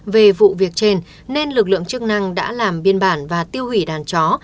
về vụ việc trên nên lực lượng chức năng đã làm biên bản và tiêu hủy đàn chó